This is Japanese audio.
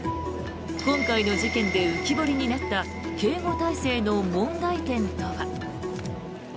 今回の事件で浮き彫りになった警護体制の問題点とは。